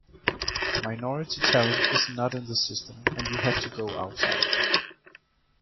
Minority talent is not in the system and you have to go outside.